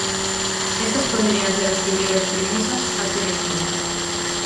Estas poderían ser as primeiras premisas a ter en conta.